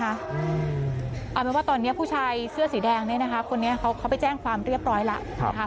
เอาเป็นว่าตอนนี้ผู้ชายเสื้อสีแดงเนี่ยนะคะคนนี้เขาไปแจ้งความเรียบร้อยแล้วนะคะ